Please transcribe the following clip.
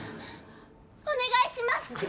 お願いします！